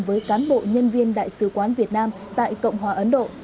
với cán bộ nhân viên đại sứ quán việt nam tại cộng hòa ấn độ